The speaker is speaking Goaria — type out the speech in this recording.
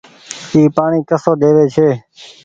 اي پآڻيٚ ڪسو ۮيوي ڇي۔